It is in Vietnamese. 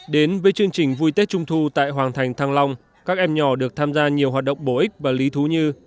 đến với chương trình vui tết trung thu tại hoàng thành thăng long các em nhỏ được tham gia nhiều hoạt động bổ ích và lý thú như